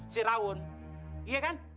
si raun iya kan